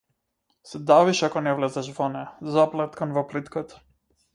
Се давиш ако не влезеш во неа, заплеткан во плитката.